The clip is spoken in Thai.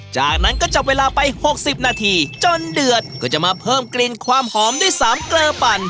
จากนั้นก็จับเวลาไป๖๐นาทีจนเดือดก็จะมาเพิ่มกลิ่นความหอมด้วย๓เกลือปั่น